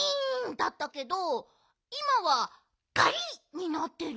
だったけどいまは「ガリ！」になってる。